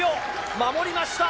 守りました。